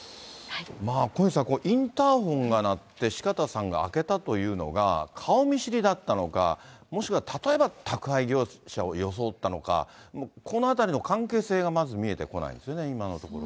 小西さん、インターホンが鳴って四方さんが開けたというのが、顔見知りだったのか、もしくは例えば、宅配業者を装ったのか、このあたりの関係性がまだ見えてこないですよね、今のところ。